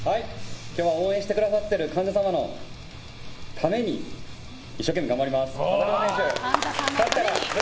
今日は応援してくださってる患者様のために一生懸命、頑張ります。